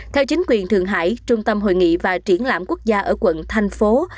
theo chính quyền thượng hải trung tâm hội nghị và triển lãm quốc gia ở quận thành phố